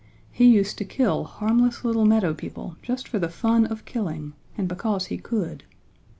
He used to kill harmless little meadow people just for the fun of killing, and because he could.